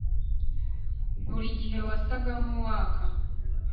Buri gihe wasaga nkuwaka